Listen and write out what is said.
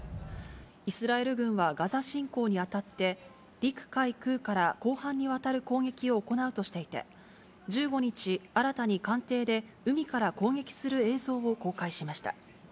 イスラエル軍はガザ侵攻にあたって、陸海空から広範にわたる攻撃を行うとしていて、１５日、新たに艦艇で海から攻撃する映像を公開しました。